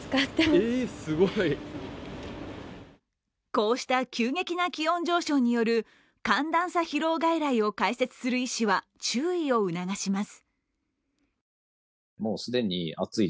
こうした急激な気温上昇による寒暖差疲労外来を開設する医師は注意を促します。